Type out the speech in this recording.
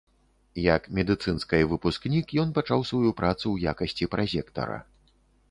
Як медыцынскай выпускнік, ён пачаў сваю працу ў якасці празектара.